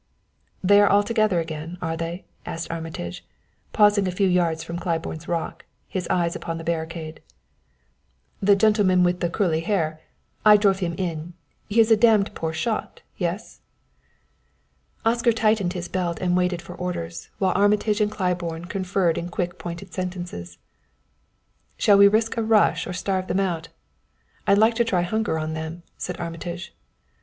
"They are all together again, are they?" asked Armitage, pausing a few yards from Claiborne's rock, his eyes upon the barricade. "The gentleman with the curly hair I drove him in. He is a damned poor shot yes?" Oscar tightened his belt and waited for orders, while Armitage and Claiborne conferred in quick pointed sentences. "Shall we risk a rush or starve them out? I'd like to try hunger on them," said Armitage.